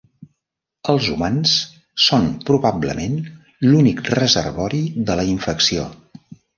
Els humans són probablement l'únic reservori de la infecció.